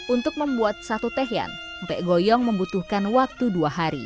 untuk membuat satu tehian mpek goyong membutuhkan waktu dua hari